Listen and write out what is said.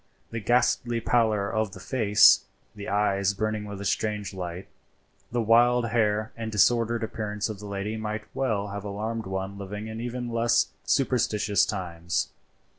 The ghastly pallor of the face, the eyes burning with a strange light, the wild hair and disordered appearance of the lady might well have alarmed one living in even less superstitious times.